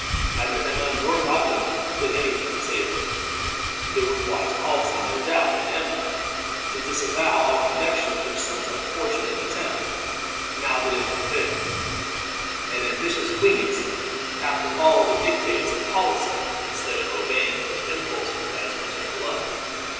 Neither Emma nor Godwin did any thing to save him. It was wise policy, no doubt, in Emma to disavow all connection with her son's unfortunate attempt, now that it had failed; and ambitious queens have to follow the dictates of policy instead of obeying such impulses as maternal love.